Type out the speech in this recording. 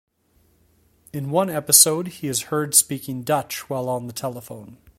In one episode he is heard speaking Dutch while on the telephone.